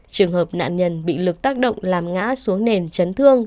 trường hợp nạn nhân bị lực tác động làm ngã xuống nền chấn thương